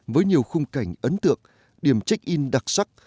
với nhiều khung cảnh ấn tượng điểm check in đặc sắc